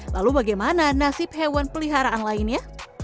lalu bagaimana nasib hewan peliharaan lainnya